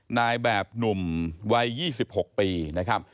นายแบบหนุ่มวัย๒๖ปีนะครับ